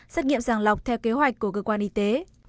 xét nghiệm sàng lọc theo kế hoạch của cơ quan y tế